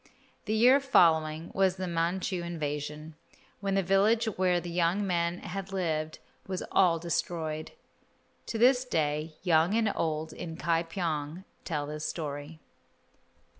The year following was the Manchu invasion, when the village where the young man had lived was all destroyed. To this day young and old in Ka pyong tell this story.